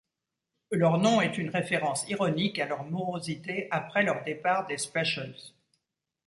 Leur nom est une référence ironique à leur morosité après leur départ des Specials.